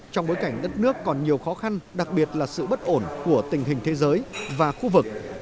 trong bối cảnh đất nước còn nhiều khó khăn đặc biệt là sự bất ổn của tình hình thế giới và khu vực